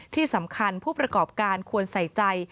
ที่สำคัญผู้ประกอบการควรใส่ใจ